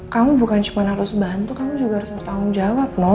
kamu bukan cuma harus bantu kamu juga harus bertanggung jawab loh